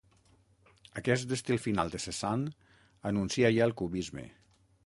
Aquest estil final de Cézanne anuncia ja el cubisme.